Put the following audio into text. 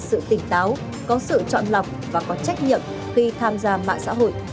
có sự tỉnh táo có sự chọn lọc và có trách nhận khi tham gia mạng xã hội